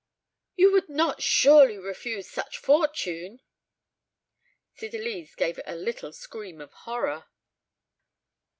You would not surely refuse such fortune?" Cydalise gave a little scream of horror.